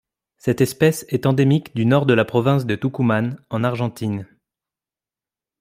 Cette espèce est endémique du Nord de la province de Tucumán en Argentine.